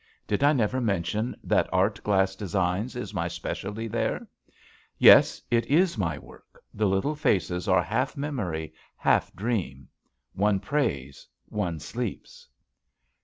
Did I never mention that art glass designs is my specialty there? Yes, it is my work. The little faces are half memory, half dream. One prays, one sleeps."